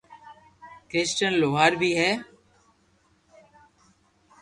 ڪرسٽن لوھار بي ھي